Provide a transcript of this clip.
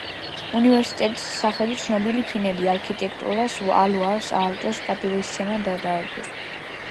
უნივერსიტეტს სახელი ცნობილი ფინელი არქიტექტორის ალვარ აალტოს პატივსაცემად დაარქვეს.